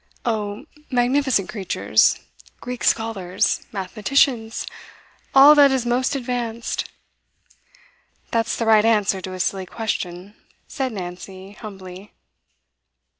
'Oh, magnificent creatures Greek scholars mathematicians all that is most advanced!' 'That's the right answer to a silly question,' said Nancy humbly.